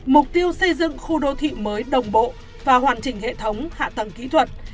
mục tiêu xây dựng khu đô thị mới đồng bộ và hoàn chỉnh hệ thống hạ tầng kỹ thuật